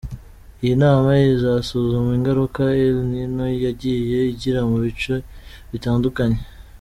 Iyi nama izasuzuma ingaruka El Nino yagiye igira mu bice bitandukanye.